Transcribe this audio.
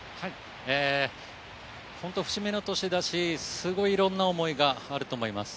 本当に節目の年だし、すごいいろんな思いがあると思います。